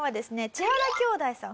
千原兄弟さん